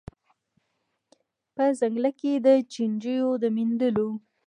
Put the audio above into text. په ځنګله کي د چینجیو د میندلو